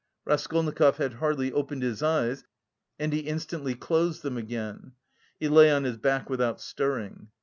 Raskolnikov had hardly opened his eyes and he instantly closed them again. He lay on his back without stirring.